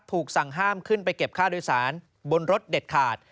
สั่งห้ามขึ้นไปเก็บค่าโดยสารบนรถเด็ดขาด